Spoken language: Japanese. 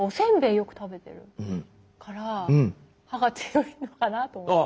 よく食べてるから歯が強いのかなと思って。